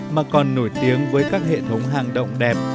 mà còn nổi tiếng với các hệ thống hang động đẹp